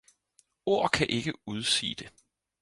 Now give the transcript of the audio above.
Ord kan ikke udsige det.